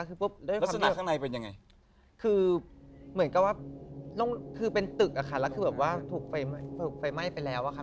คือเหมือนกับว่าคือเป็นตึกอ่ะค่ะแล้วคือแบบว่าถูกไฟไหม้ไปแล้วอ่ะค่ะ